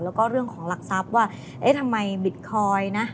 แล้วก็เรื่องของหลักทรัพย์ว่าเอ๊ะทำไมบิตคอยน์นะ